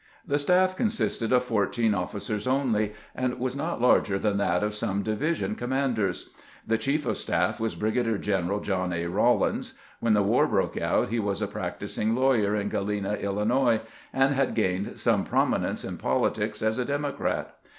The staff consisted of fourteen officers only, and was not larger than that of some division commanders. The chief of staff was Brigadier general John A. Rawlins. When the war broke out he was a practising lawyer in Galena, Illinois, and had gained some prominence in politics as a Democrat.